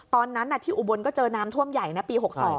ตอนนั้นที่อุบลก็เจอน้ำท่วมใหญ่นะปี๖๒